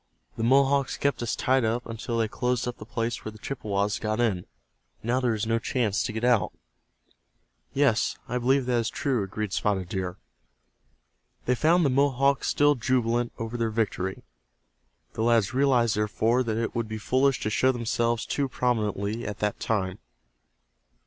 "The Mohawks kept us tied up until they closed up the place where the Chippewas got in. Now there is no chance to get out." "Yes, I believe that is true," agreed Spotted Deer. They found the Mohawks still jubilant over their victory. The lads realized, therefore, that it would be foolish to show themselves too prominently at that time.